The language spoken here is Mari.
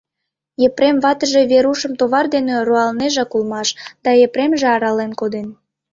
Епрем ватыже Верушым товар дене руалнежак улмаш, да Епремже арален коден.